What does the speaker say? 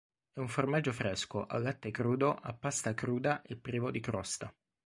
È un formaggio fresco, a latte crudo, a pasta cruda e privo di crosta.